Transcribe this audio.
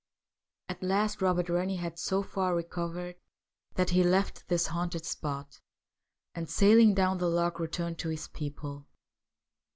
At last Eobert Eennie had so far recovered that he left this haunted spot, and sailing down the loch re turned to his people.